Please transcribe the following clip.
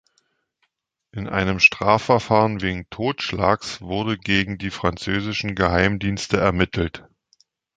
In einem Strafverfahren wegen Totschlags wurde gegen die französischen Geheimdienste ermittelt.